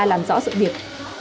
lãnh đạo bệnh viện